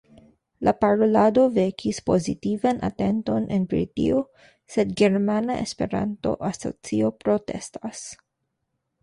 La parolado vekis pozitivan atenton en Britio, sed Germana Esperanto-Asocio protestas.